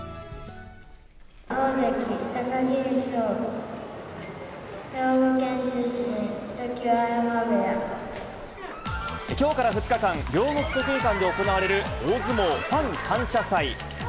大関・貴景勝、きょうから２日間、両国国技館で行われる、大相撲ファン感謝祭。